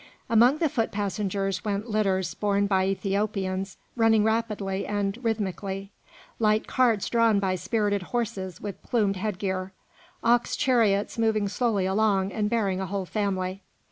Among the foot passengers went litters borne by Ethiopians running rapidly and rhythmically; light carts drawn by spirited horses with plumed headgear; ox chariots moving slowly along and bearing a whole family.